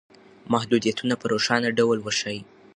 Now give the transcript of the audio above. محدودیتونه په روښانه ډول وښایئ.